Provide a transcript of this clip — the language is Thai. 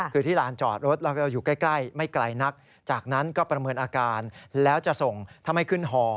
คือที่ลานจอดรถแล้วก็อยู่ใกล้ไม่ไกลนักจากนั้นก็ประเมินอาการแล้วจะส่งถ้าไม่ขึ้นห่อ